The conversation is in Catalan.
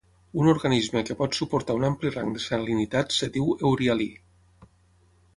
Un organisme que pot suportar un ampli rang de salinitats es diu eurihalí.